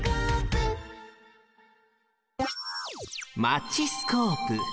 マチスコープ。